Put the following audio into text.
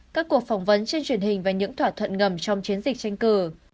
các cuộc phỏng vấn trên truyền hình và những thỏa thuận ngầm trong chiến dịch tranh cử